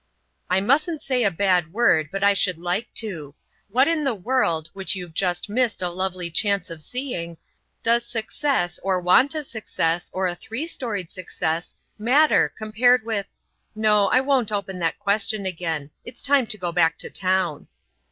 "I mustn't say a bad word, but I should like to. What in the world, which you've just missed a lovely chance of seeing, does success or want of success, or a three storied success, matter compared with—— No, I won't open that question again. It's time to go back to town."